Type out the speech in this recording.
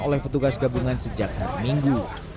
oleh petugas gabungan sejak hari minggu